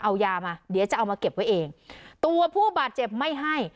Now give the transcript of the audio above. เอายามาเดี๋ยวจะเอามาเก็บไว้เองตัวผู้บาดเจ็บไม่ให้